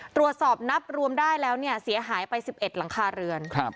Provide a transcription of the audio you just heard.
ตรวจสอบนับรวมได้แล้วเนี่ยเสียหายไป๑๑หลังคาเรือน